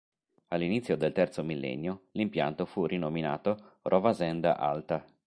All'inizio del terzo millennio l'impianto fu rinominato Rovasenda Alta.